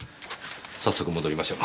早速戻りましょう。